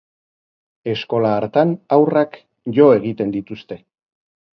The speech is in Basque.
Eskola hartan haurrak jo egiten dituzte.